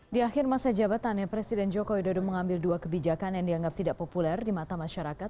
di akhir masa jabatannya presiden joko widodo mengambil dua kebijakan yang dianggap tidak populer di mata masyarakat